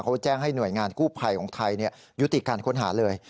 เขาแจ้งให้หน่วยงานกู้ภัยของไทยยุติการค้นหาเลย